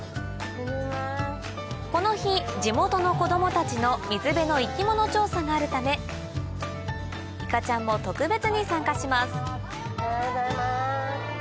この日地元の子供たちの水辺の生き物調査があるためいかちゃんも特別に参加します